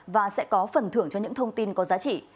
và sẽ có phần thưởng cho những thông tin có giá trị